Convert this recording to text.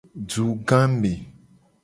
Dugame.